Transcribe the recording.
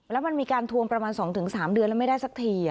แล้วมันมีการทวงประมาณ๒๓เดือนแล้วไม่ได้สักที